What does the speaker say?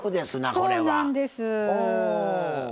そうなんです。